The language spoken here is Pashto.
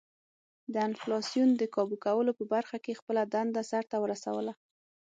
د انفلاسیون د کابو کولو په برخه کې خپله دنده سر ته ورسوله.